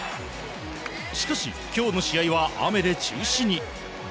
しかし、今日の試合は雨で中止に。